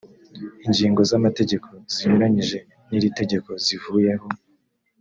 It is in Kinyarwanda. ingingo z’amategeko zinyuranyije n’iri tegeko zivuyeho